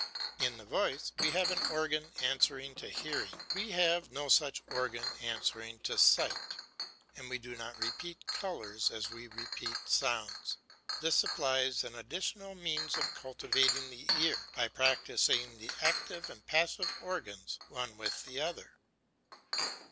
In the voice we have an organ answering to hearing; we have no such organ answering to sight, and we do not repeat colours as we repeat sounds. This supplies an additional means of cultivating the ear by practising the active and passive organs one with the other.